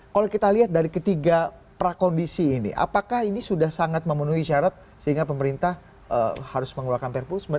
kalau kita lihat dari ketiga prakondisi ini apakah ini sudah sangat memenuhi syarat sehingga pemerintah harus mengeluarkan perpus